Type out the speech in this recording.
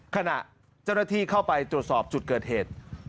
ขณะเจ้าหน้าที่เข้าไปตรวจสอบจุดเกิดเหตุ